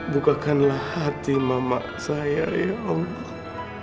bukakanlah hati mama saya ya allah